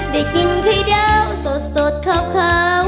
ได้กินไข่ดาวสดขาว